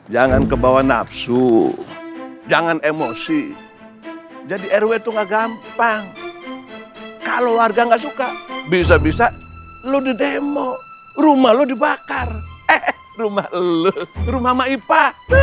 jangan kebawa nafsu jangan emosi jadi rw itu gak gampang kalau warga nggak suka bisa bisa lo di demo rumah lo dibakar eh rumah lu rumah ipa